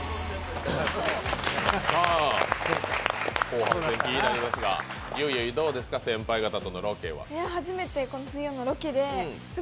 後半戦、気になりますが、どうですか先輩方とのロケは。